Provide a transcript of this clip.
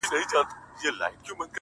بيا دې د سندرو و جمال ته گډ يم’